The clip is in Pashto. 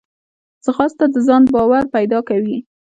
ځغاسته د ځان باور پیدا کوي